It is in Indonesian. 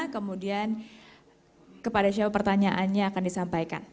kemudian kepada siapa pertanyaannya akan disampaikan